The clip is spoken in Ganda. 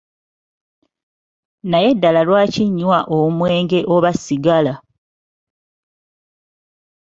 Naye ddala lwaki nywa omwenge oba sigala?